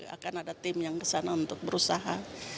akan ada tim yang kesana untuk berusaha